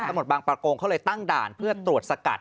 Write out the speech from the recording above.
ตำรวจบางประกงเขาเลยตั้งด่านเพื่อตรวจสกัด